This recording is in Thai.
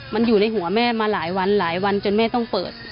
มันอยู่ในหัวแม่มาหลายวันหลายวันจนแม่ต้องเปิด